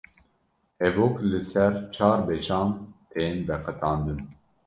hevok li ser çar beşan tên veqetandin